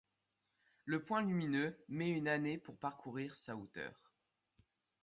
Le point lumineux met une année pour parcourir sa hauteur.